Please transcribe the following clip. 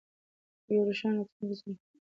یو روښانه راتلونکی زموږ په تمه دی.